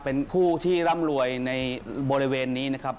เป็นผู้ที่ร่ำรวยในบริเวณนี้นะครับ